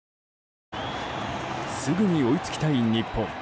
すぐに追いつきたい日本。